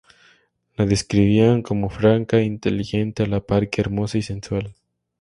La describían como franca e inteligente a la par que hermosa y sensual.